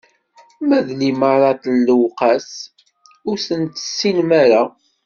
Ma d limaṛat n lewqat, ur sen-tessinem ara?